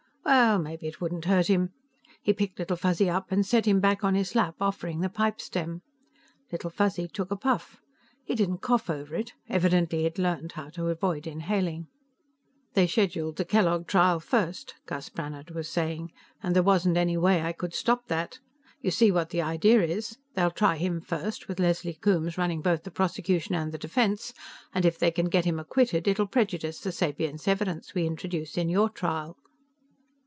Well, maybe it wouldn't hurt him. He picked Little Fuzzy up and set him back on his lap, offering the pipestem. Little Fuzzy took a puff. He didn't cough over it; evidently he had learned how to avoid inhaling. "They scheduled the Kellogg trial first," Gus Brannhard was saying, "and there wasn't any way I could stop that. You see what the idea is? They'll try him first, with Leslie Coombes running both the prosecution and the defense, and if they can get him acquitted, it'll prejudice the sapience evidence we introduce in your trial."